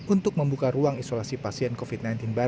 untuk membuka ruang isolasi pasien covid sembilan belas